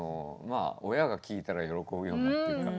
親が聞いたら喜ぶようなっていうか。